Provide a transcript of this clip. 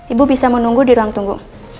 ibu bisa menunggu di ruang tunggu